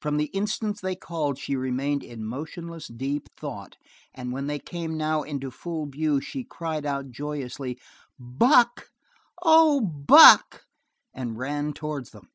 From the instant they called she remained in motionless, deep thought, and when they came now into full view, she cried out joyously: "Buck, oh Buck!" and ran towards them.